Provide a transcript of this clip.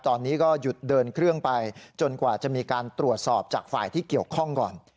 ตอนนี้ก็หยุดเดินเครื่องไปจนกว่าจะมีการตรวจสอบจากฝ่ายที่เกี่ยวข้องก่อน